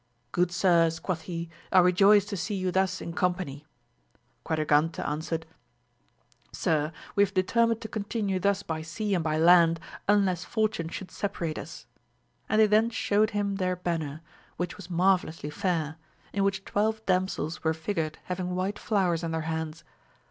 Good sirs, quoth he, I rejoice to see you thus in company. Quadra gante answered. Sir, we have determined to continue thus by sea and by land, unless fortune should separate us ; and they then shewed him their banner, which was marvellously fair, in which twelve damsels were figured having white flowers in their hands.